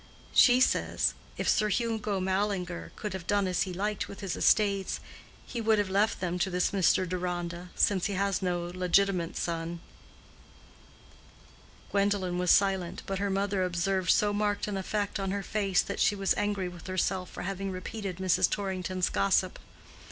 She says, if Sir Hugo Mallinger could have done as he liked with his estates, he would have left them to this Mr. Deronda, since he has no legitimate son." Gwendolen was silent; but her mother observed so marked an effect in her face that she was angry with herself for having repeated Mrs. Torrington's gossip.